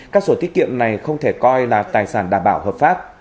các sổ tiết kiệm này không thể coi là tài sản đảm bảo hợp pháp